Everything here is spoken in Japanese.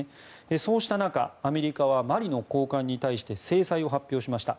そうした中、アメリカはマリの高官に対して制裁を発表しました。